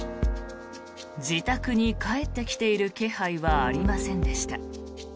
自宅に帰ってきている気配はありませんでした。